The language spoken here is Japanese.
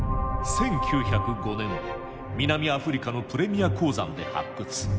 １９０５年南アフリカのプレミア鉱山で発掘。